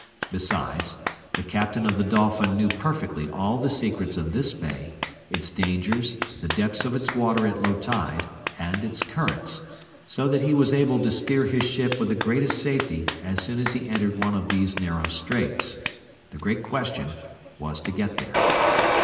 Besides, the Captain of the Dolphin knew perfectly all the secrets of this bay, its dangers, the depths of its water at low tide, and its currents, so that he was able to steer his ship with the greatest safety as soon as he entered one of these narrow straits. The great question was to get there.